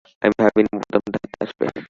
আমি ভাবিনি বোতামটা হাতে আসবে।